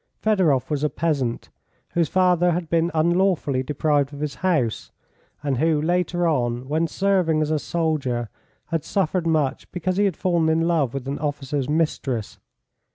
Fedoroff was a peasant, whose father had been unlawfully deprived of his house, and who, later on, when serving as a soldier, had suffered much because he had fallen in love with an officer's mistress.